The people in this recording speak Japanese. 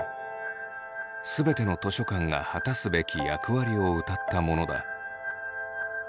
全ての図書館が果たすべき役割をうたったものだ。